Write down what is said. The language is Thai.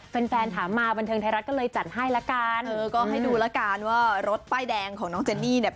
แฟนแฟนถามมาบันเทิงไทยรัฐก็เลยจัดให้ละกันเออก็ให้ดูแล้วกันว่ารถป้ายแดงของน้องเจนนี่เนี่ย